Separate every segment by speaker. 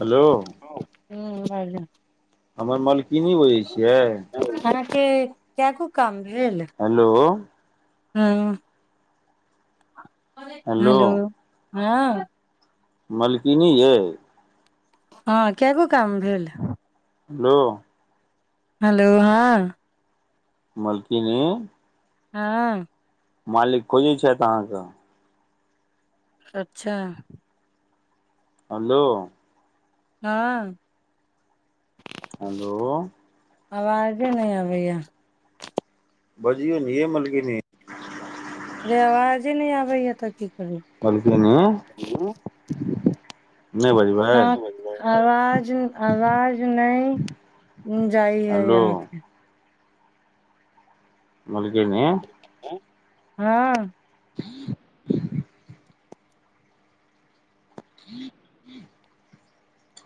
Speaker 1: hello
Speaker 2: हू hello
Speaker 1: हमर मलकिनी बजै छियै
Speaker 2: के क्य क काम
Speaker 1: हेलो
Speaker 2: हँ
Speaker 1: हेलो
Speaker 2: हँ
Speaker 1: मलकीनी य
Speaker 2: हँ कए गो काम भेल
Speaker 1: हेलो
Speaker 2: हेलो हँं
Speaker 1: मलकीिन
Speaker 2: हँ
Speaker 1: मालिक खोजै छथि अहाँके
Speaker 2: अच्छा
Speaker 1: हलो
Speaker 2: हँ
Speaker 1: हेलो
Speaker 2: आवाजे नहि अबैय
Speaker 1: बजियौ ने यै मलकिनी
Speaker 2: अरे आवाजे नहि आबैय तऽ क
Speaker 1: मलकिनी नहि बजबै
Speaker 2: हँ आवाज आवाज नहि जाइ है
Speaker 1: हेलो
Speaker 2: यहााँ के
Speaker 1: मलगे ने
Speaker 2: हँ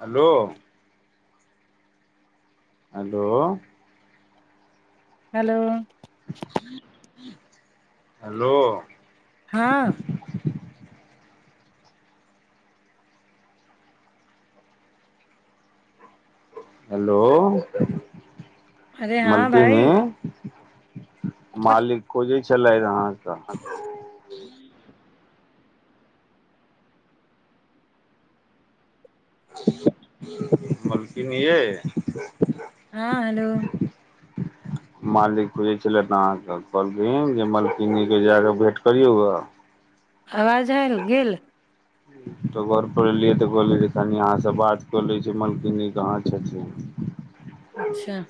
Speaker 1: हेलो अद
Speaker 2: हेलो
Speaker 1: हेलो
Speaker 2: हँ
Speaker 1: हेलो
Speaker 2: अरे हँ
Speaker 1: मलकी
Speaker 2: भाई
Speaker 1: ह मालिक को जे चलइ ह तऽ ह मलकिने
Speaker 2: हँ हेलो
Speaker 1: मालिक खुजै छलए अहाँकेँ कहलखिन जे मालिकिननीके जा कऽ भेँट करियौ गए
Speaker 2: आवाज है ने गेल
Speaker 1: तऽ घर परर एलियै तऽ कहलै कनि यहाँसँ बात कऽ लै छी मलकिन कहाँ छथिन
Speaker 2: अच्छा